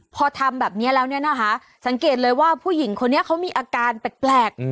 พอทำแบบนี้แล้วเนี่ยนะคะสังเกตเลยว่าผู้หญิงคนนี้เขามีอาการแปลก